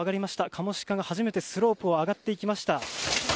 カモシカが初めてスロープを上がっていきました。